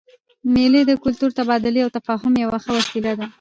مېلې د کلتوري تبادلې او تفاهم یوه ښه وسیله ده.